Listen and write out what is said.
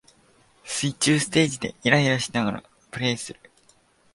水中ステージでイライラしながらプレイする